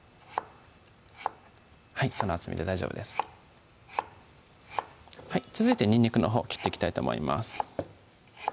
はいその厚みで大丈夫です続いてにんにくのほう切っていきたいと思います